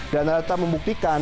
dan data membuktikan